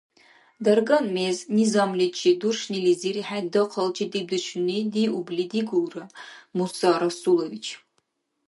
Дарган мез низамличи дуршнилизир хӀед дахъал чедибдешуни диубли дигулра, Муса Расулович!